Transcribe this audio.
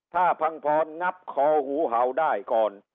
ถ้าพังพรงับคอหูเห่าได้ก่อน